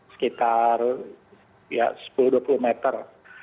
sekitar sepuluh dua puluh meter